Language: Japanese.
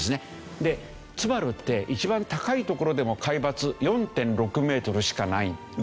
でツバルって一番高い所でも海抜４．６メートルしかないんだそうです。